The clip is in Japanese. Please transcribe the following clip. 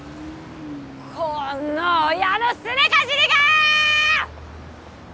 こんの親のすねかじりがーっ！